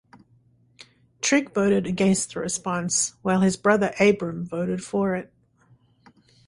Trigg voted against the response, while his brother Abram voted for it.